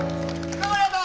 どうもありがとう！